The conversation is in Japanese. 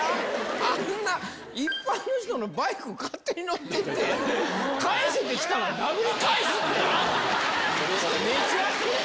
あんな一般の人のバイク勝手に乗ってって、返せって来たら、殴り返すって。